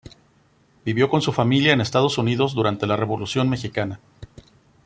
Vivió con su familia en Estados Unidos durante la Revolución mexicana.